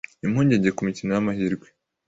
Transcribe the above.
impungenge ku mikino y’amahirwe